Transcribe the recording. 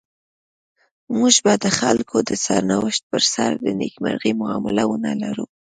موږ به د خلکو د سرنوشت پر سر د نيکمرغۍ معامله ونلرو.